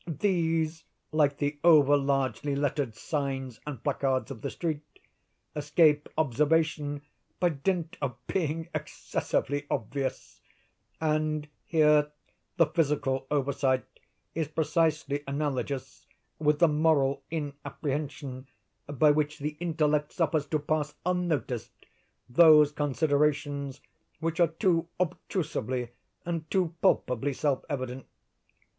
These, like the over largely lettered signs and placards of the street, escape observation by dint of being excessively obvious; and here the physical oversight is precisely analogous with the moral inapprehension by which the intellect suffers to pass unnoticed those considerations which are too obtrusively and too palpably self evident.